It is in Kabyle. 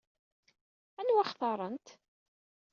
Anwa xtarent?